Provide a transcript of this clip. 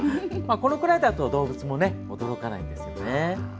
このぐらいだと動物も驚かないんですよ。